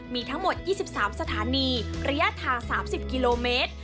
มีทั้งหมด๒๓สถานีระยะทาง๓๐กิโลเมตร